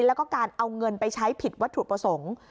แล้วก็การเอาเงินไปใช้ผิดวัตถุประสงค์